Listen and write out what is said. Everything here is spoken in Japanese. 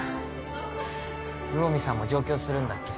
魚見さんも上京するんだっけ？